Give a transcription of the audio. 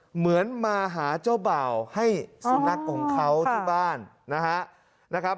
เหมือนมาหาเจ้าบ่าวให้สุนัขของเขาที่บ้านนะครับ